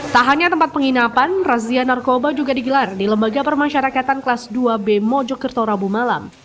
tak hanya tempat penginapan razia narkoba juga digelar di lembaga permasyarakatan kelas dua b mojokerto rabu malam